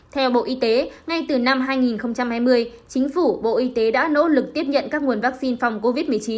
theo bộ y tế ngay từ năm hai nghìn hai mươi chính phủ bộ y tế đã nỗ lực tiếp nhận các nguồn vaccine phòng covid một mươi chín